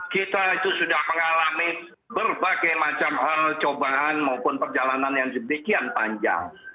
kita itu sudah mengalami berbagai macam hal cobaan maupun perjalanan yang sebegian panjang